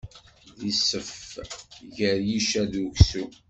D isef gar yiccer d uksum.